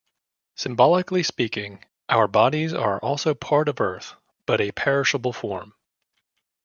Symbolically speaking, our bodies are also part of earth, but a perishable form.